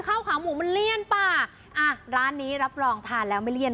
ข้าวขาวหมูมันเลี่ยนป่าอ่ะร้านนี้รับรองทานแล้วไม่เลี่ยน